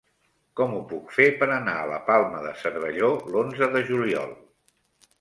Com ho puc fer per anar a la Palma de Cervelló l'onze de juliol?